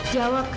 jawab kak fadil